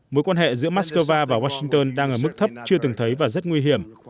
mối quan hệ giữa moscow và washington đang ở mức thấp chưa từng thấy và rất nguy hiểm